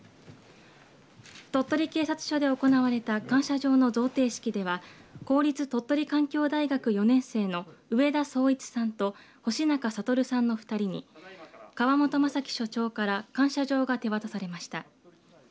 鳥取警察署で行われた感謝状の贈呈式では公立鳥取環境大学４年生の上田壮一さんと星中俊哉さんの２人に河本正樹署長から感謝状が手渡されました。